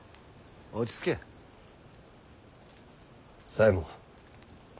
左衛門。